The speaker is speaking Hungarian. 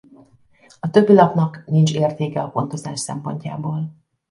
A többi lapnak nincs értéke a pontozás szempontjából.